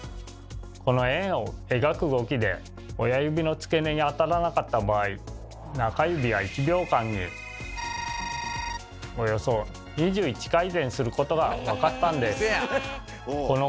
この円を描く動きで親指の付け根にあたらなかった場合中指は１秒間におよそ２１回転することが分かったんです。